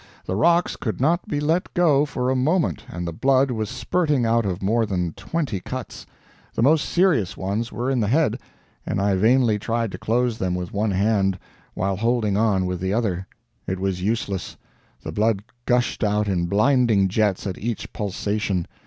The rocks could not be let go for a moment, and the blood was spurting out of more than twenty cuts. The most serious ones were in the head, and I vainly tried to close them with one hand, while holding on with the other. It was useless; the blood gushed out in blinding jets at each pulsation.